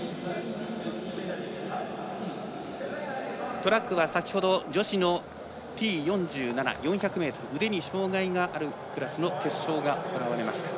トラックは先ほど女子のＴ４７４００ｍ腕に障がいがあるクラスの決勝が行われました。